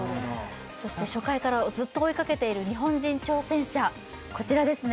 そして初回からずっと追いかけている日本人挑戦者こちらですね